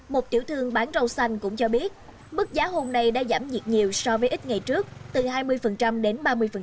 một tiểu thương bán rau xanh cũng cho biết mức giá hôm nay đã giảm nhiệt nhiều so với ít ngày trước từ hai mươi đến ba mươi